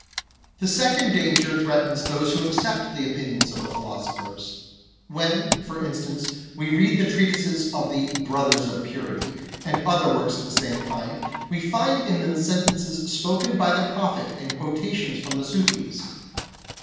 The second danger threatens those who accept the opinions of the philosophers. When, for instance, we read the treatises of the " Brothers of purity " and other works of the same kind, we find in them sentences spoken by the Prophet and quotations from the Sufis.